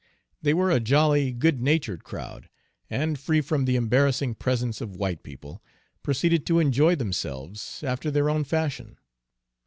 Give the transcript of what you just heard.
They were a jolly, good natured crowd, and, free from the embarrassing presence of white people, proceeded to enjoy themselves after their own fashion.